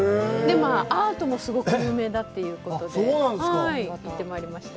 アートもすごく有名だということで、行ってまいりました。